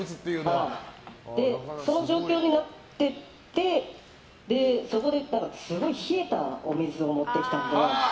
その状況になっていってそこで、すごい冷えたお水を持ってきたので。